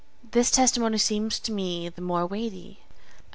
This testimony seems to me the more weighty, as M.